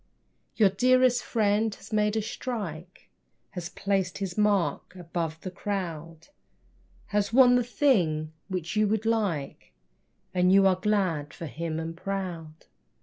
Your dearest friend has made a strike, Has placed his mark above the crowd, Has won the thing which you would like And you are glad for him, and proud.